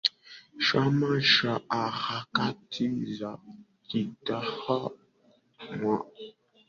chama cha harakati za kitaifa Mwaka elfu moja mia tisa hamsini na nane alichaguliwa